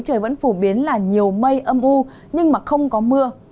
trời vẫn phủ biến là nhiều mây ấm u nhưng không có mưa